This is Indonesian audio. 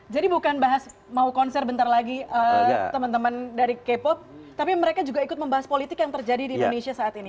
jadi bukan bahas mau konser bentar lagi teman teman dari k pop tapi mereka juga ikut membahas politik yang terjadi di indonesia saat ini